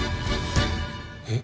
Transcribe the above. えっ？